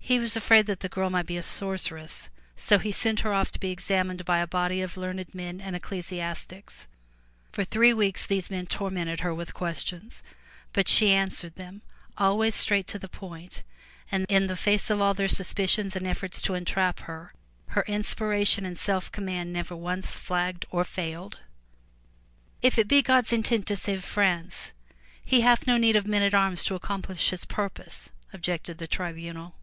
He was afraid that the girl might be a sorceress, so he sent her off to be examined by a body of learned men and ecclesiastics. For three weeks these men tormented her with questions, but she answered them always straight to the point and in face of all their suspicions and efforts to entrap her, her inspiration and self command never once flagged or failed. "If it be God's intent to save France, He hath no need of men at arms to accomplish His purpose," objected the tribunal.